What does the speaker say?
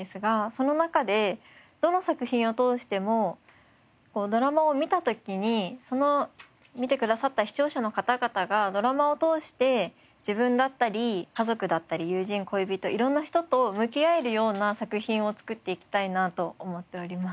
その中でどの作品を通してもドラマを見た時にその見てくださった視聴者の方々がドラマを通して自分だったり家族だったり友人恋人色んな人と向き合えるような作品を作っていきたいなと思っております。